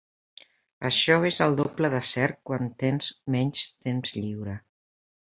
Això és el doble de cert quan tens menys temps lliure.